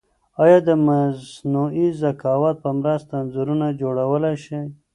ایا د مصنوعي ذکاوت په مرسته انځورونه جوړولای شئ؟